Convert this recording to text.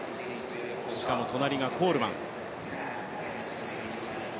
しかも隣がコールマン。